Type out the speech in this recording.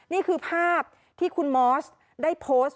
นี่คือภาพที่คุณมอสได้โพสต์